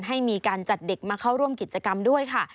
ให้มีการจัดเด็กมาเข้าร่วมกิจกรรมด้วยค่ะ